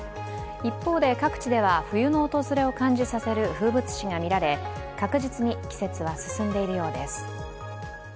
一方で、各地では冬の訪れを感じさせる風物詩が見られ、確実に季節は進んでいるようです。